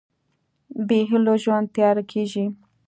بېهيلو ژوند تیاره کېږي.